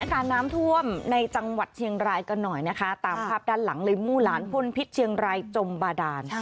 การน้ำท่วมในจังหวัดเชียงรายกันหน่อยนะคะตามภาพด้านหลังเลยมู่หลานพลพิษเชียงรายจมบาดาน